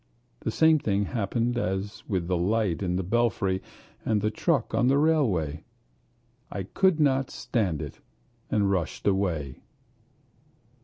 The same thing happened as with the light in the belfry and the truck on the railway: I could not stand it and rushed away.